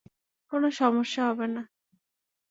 কোনও সমস্যা হবে না।